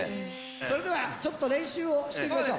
それでは、ちょっと、練習をしてみましょう。